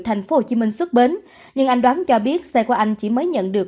tp hcm xuất bến nhưng anh đoán cho biết xe của anh chỉ mới nhận được